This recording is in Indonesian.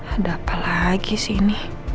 ada apa lagi sih ini